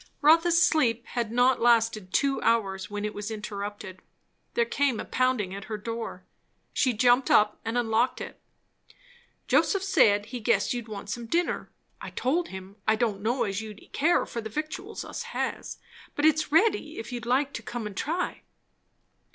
Rotha's sleep had not lasted two hours when it was interrupted. There came a pounding at her door. She jumped up and unlocked it. "Joseph said, he guessed you'd want some dinner. I told him, I didn't know as you'd care for the victuals us has; but it's ready, if you like to come and try."